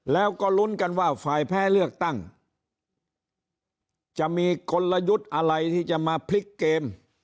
แล้วก็ลุ้นกันว่าฝ่ายแพ้เลือกตั้งจะมีกลยุทธ์อะไรที่จะมาพลิกเกม